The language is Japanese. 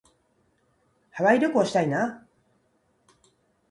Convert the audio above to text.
ハワイ旅行したいな。